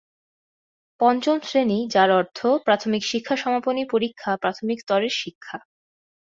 পঞ্চম শ্রেণী যার অর্থ প্রাথমিক শিক্ষা সমাপনী পরীক্ষা প্রাথমিক স্তরের শিক্ষা।